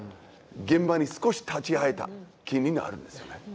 現場に少し立ち会えた気になるんですよね。